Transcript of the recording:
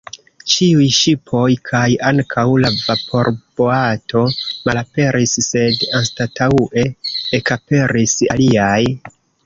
Ĉiuj ŝipoj kaj ankaŭ la vaporboato malaperis, sed anstataŭe ekaperis aliaj.